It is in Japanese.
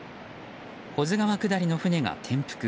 保津川下りの船が転覆。